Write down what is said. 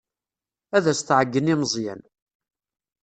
Ad as-tɛeyyen i Meẓyan.